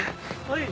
はい。